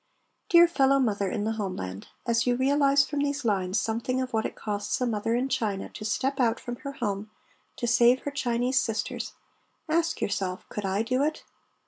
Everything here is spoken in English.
Dear fellow mother in the homeland, as you realize from these lines something of what it costs a mother in China to step out from her home to save her Chinese sisters, ask yourself "Could I do it?"